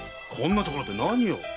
こんな所で何を。